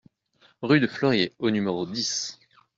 Rue de Fleurier au numéro dix